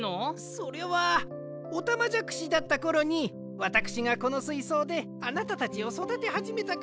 それはオタマジャクシだったころにわたくしがこのすいそうであなたたちをそだてはじめたから。